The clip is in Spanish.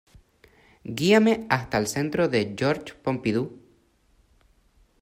¡Guíame hasta el centro George Pompidou!